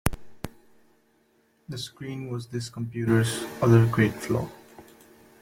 The screen was this computer's other great flaw.